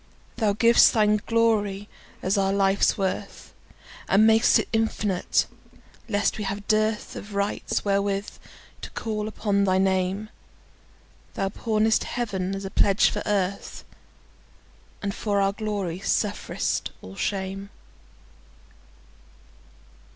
Thou giv'st Thine agony as our life's worth, And mak'st it infinite, lest we have dearthOf rights wherewith to call upon thy Name; Thou pawnest Heaven as a pledge for Earth, And for our glory sufferest all shame.